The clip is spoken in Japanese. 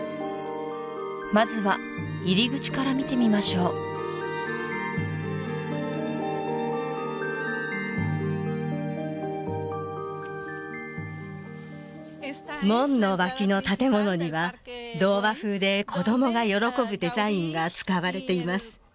まずは入り口から見てみましょう門の脇の建物には童話風で子供が喜ぶデザインが使われています